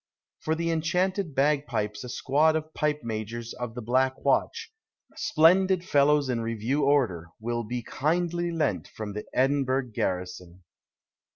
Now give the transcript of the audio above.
For the enchanted bag pipes a squad of pipe majors of the Black Watch, splendid follows in review order, will be kindly lent from the Edinburgh garrison.